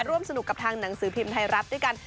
ร่วมสนุกกับทางหนังสือพิมพ์ไทยรัฐด้วยกัน